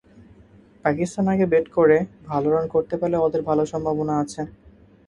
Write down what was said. পাকিস্তান আগে ব্যাট করে ভালো রান করতে পারলে ওদের ভালো সম্ভাবনা আছে।